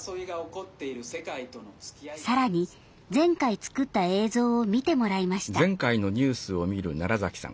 さらに前回作った映像を見てもらいました。